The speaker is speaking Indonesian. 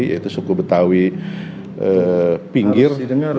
yaitu suku betawi pinggir